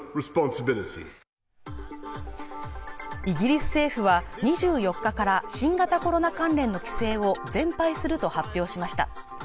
イギリス政府は２４日から新型コロナ関連の規制を全廃すると発表しました